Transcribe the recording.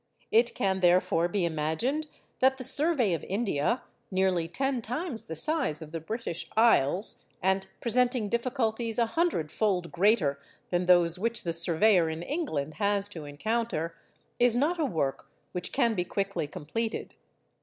It can, therefore, be imagined that the survey of India—nearly ten times the size of the British Isles, and presenting difficulties a hundredfold greater than those which the surveyor in England has to encounter—is not a work which can be quickly completed.